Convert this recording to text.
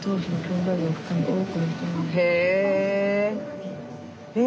へえ。